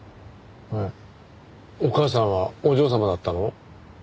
へえお母さんはお嬢様だったの？